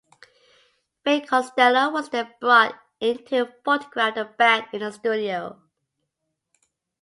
Fin Costello was then brought in to photograph the band in the studio.